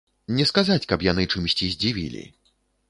Не сказаць, каб яны чымсьці здзівілі.